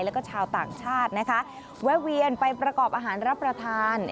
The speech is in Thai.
แล้วก็ชาวต่างชาตินะคะแวะเวียนไปประกอบอาหารรับประทาน